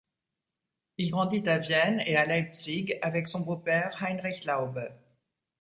Il grandit à Vienne et à Leipzig avec son beau-père Heinrich Laube.